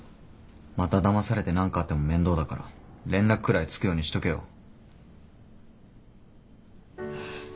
まただまされて何かあっても面倒だから連絡くらいつくようにしとけよ。